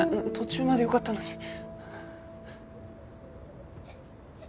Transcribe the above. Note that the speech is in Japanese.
途中までよかったのに。